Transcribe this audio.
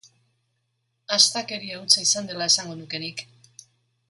Astakeria hutsa izan dela esango nuke nik.